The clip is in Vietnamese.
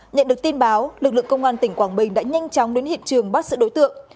nhận được tin báo lực lượng công an tỉnh quảng bình đã nhanh chóng đến hiện trường bắt giữ đối tượng